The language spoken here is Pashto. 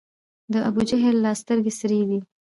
د ابوجهل لا سترګي سرې دي